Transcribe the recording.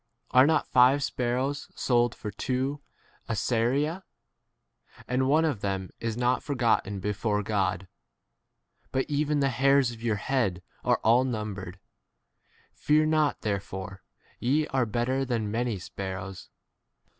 Are not five sparrows sold for two as saria ? and one of them is not 7 forgotten before God. But even the hairs of your head are all numbered. Fear not therefore, ye are better than many sparrows.